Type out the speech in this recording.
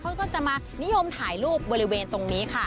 เขาก็จะมานิยมถ่ายรูปบริเวณตรงนี้ค่ะ